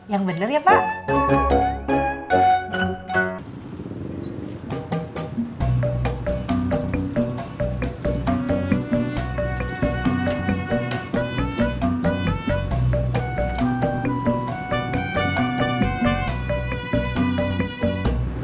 yang bener ya pak